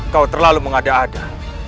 kau terlalu mengada ada